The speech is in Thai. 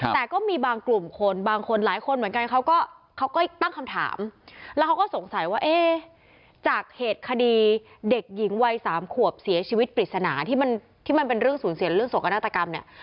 แต่ก็มีบางกลุ่มคนบางคนหลายคนเหมือนกันเขาก็เขาก็ตั้งคำถามแล้วเขาก็สงสัยว่าเอ๊ะจากเหตุคดีเด็กหญิงวัยสามขวบเสียชีวิตปริศนาที่มันที่มันเป็นเรื่องสูญเสียเรื่องโศกนาฏกรรมเนี่ย